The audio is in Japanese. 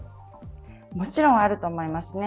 もちろんあると思いますね。